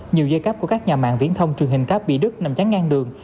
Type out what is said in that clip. nhiều dây cáp của các nhà mạng viễn thông truyền hình cáp bị đứt nằm chán ngang đường